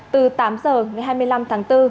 từ tám giờ ngày hai mươi năm tháng bốn